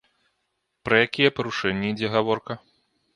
Пра якія парушэнні ідзе гаворка?